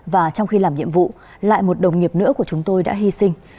và trong khi làm nhiệm vụ lại một đồng nghiệp nữa của chúng tôi đã hy sinh